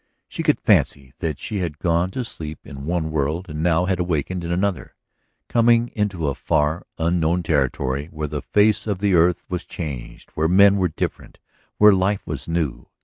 She could fancy that she had gone to sleep in one world and now had awakened in another, coming into a far, unknown territory where the face of the earth was changed, where men were different, where life was new.